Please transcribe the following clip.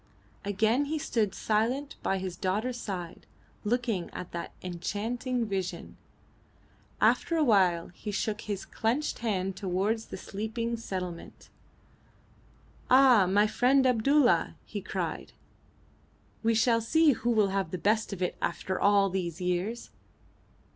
Again he stood silent by his daughter's side looking at that enchanting vision. After a while he shook his clenched hand towards the sleeping settlement. "Ah! my friend Abdulla," he cried, "we shall see who will have the best of it after all these years!"